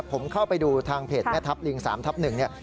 ผมเข้าไปดูทางเพจแม่ทัพลิง๓ทับ๑เนี่ย